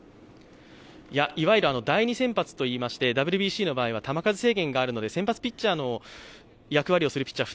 いわゆる第２先発といいまして、ＷＢＣの場合は球数制限があるので先発ピッチャーの役割をするピッチャー